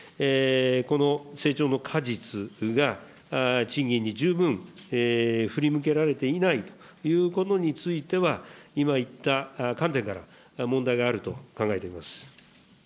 この成長の果実が、賃金に十分振り向けられていないということについては、今言った観点から、問題があると考えています。